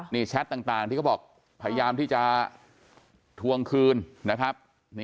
นี่แชทต่างที่เขาบอกพยายามที่จะทวงคืนนะครับ